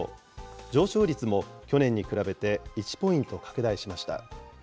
上昇率も去年に比べて１ポイント拡大しました。